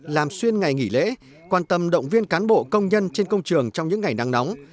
làm xuyên ngày nghỉ lễ quan tâm động viên cán bộ công nhân trên công trường trong những ngày nắng nóng